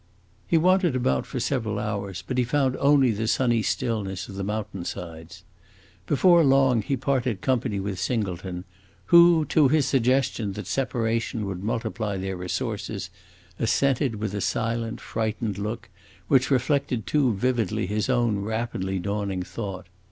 He wandered about for several hours, but he found only the sunny stillness of the mountain sides. Before long he parted company with Singleton, who, to his suggestion that separation would multiply their resources, assented with a silent, frightened look which reflected too vividly his own rapidly dawning thought.